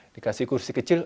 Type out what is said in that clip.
dikasih kursi kecil